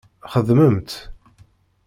Xedmemt!